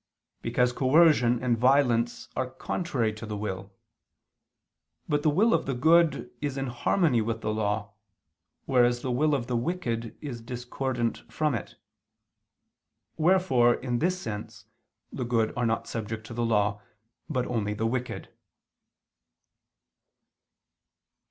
Because coercion and violence are contrary to the will: but the will of the good is in harmony with the law, whereas the will of the wicked is discordant from it. Wherefore in this sense the good are not subject to the law, but only the wicked.